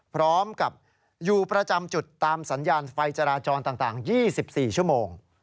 พร้อมกับอยู่ประจำจุดตามสัญญาณไฟจราจรต่าง๒๔ชั่วโมง